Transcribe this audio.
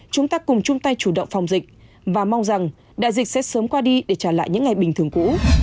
chúng ta cùng chung tay chủ động phòng dịch và mong rằng đại dịch sẽ sớm qua đi để trả lại những ngày bình thường cũ